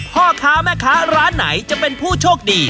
พ่อค้าแม่ค้าร้านไหนจะเป็นผู้โชคดี